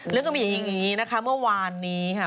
อย่างนี้นะคะเมื่อวานนี้ค่ะ